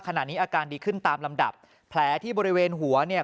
ขณะนี้อาการดีขึ้นตามลำดับแผลที่บริเวณหัวเนี่ย